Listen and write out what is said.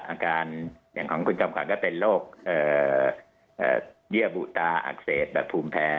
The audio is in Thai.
อาการอย่างของคุณจอมขวัญก็เป็นโรคเยื่อบุตาอักเสบแบบภูมิแพ้